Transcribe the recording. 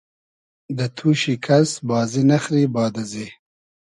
دۂ توشی کئس بازی نئخری باد ازی